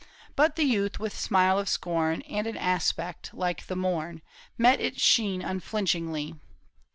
But the youth with smile of scorn, And an aspect like the morn. Met its sheen unflinchingly.